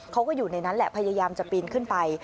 เขาก็อยู่ในนั้นแหละพยายามจะปีนขึ้นไป